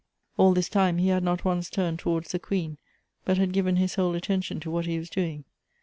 All this time he had not once turned towards the queen, but had given his whole attention to what he was doing.